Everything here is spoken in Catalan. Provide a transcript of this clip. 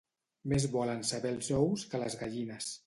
Més volen saber els ous que les gallines.